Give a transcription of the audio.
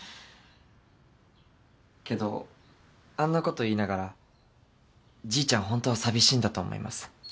けどあんなこと言いながらじいちゃんホントは寂しいんだと思います。